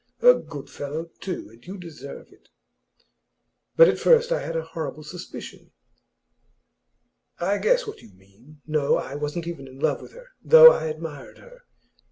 'A good fellow, too, and you deserve it.' 'But at first I had a horrible suspicion.' 'I guess what you mean. No; I wasn't even in love with her, though I admired her.